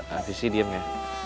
eh afis sih diem ya